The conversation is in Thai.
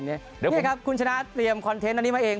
นี่ครับคุณชนะเตรียมคอนเทนต์อันนี้มาเอง